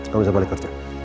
kamu bisa balik kerja